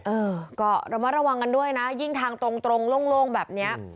เออก็ระมัดระวังกันด้วยนะยิ่งทางตรงโล่งแบบเนี้ย